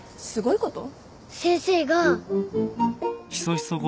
先生が。